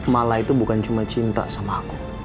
malah itu bukan cuma cinta sama aku